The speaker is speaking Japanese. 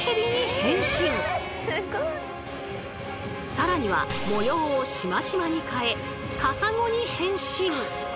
更には模様をしましまに変えカサゴに変身。